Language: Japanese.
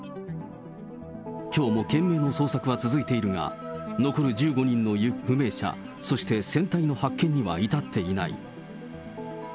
きょうも懸命の捜索が続いているが、残る１５人の不明者、そして船体の発見には至っていない。